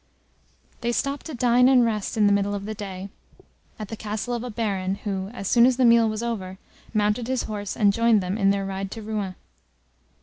They stopped to dine and rest in the middle of the day, at the castle of a Baron, who, as soon as the meal was over, mounted his horse, and joined them in their ride to Rouen.